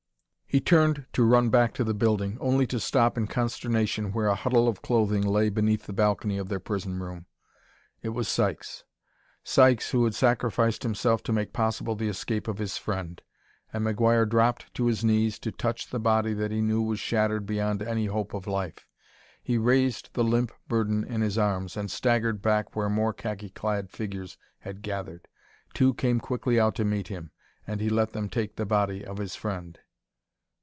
He turned to run back to the building, only to stop in consternation where a huddle of clothing lay beneath the balcony of their prison room. It was Sykes Sykes who had sacrificed himself to make possible the escape of his friend and McGuire dropped to his knees to touch the body that he knew was shattered beyond any hope of life. He raised the limp burden in his arms and staggered back where more khaki clad figures had gathered. Two came quickly out to meet him, and he let them take the body of his friend.